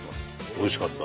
おいしかった。